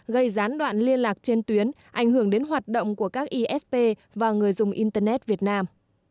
gây gián đoạn liên lạc trên tuyến ảnh hưởng đến hoạt động của các esp và người dùng internet việt nam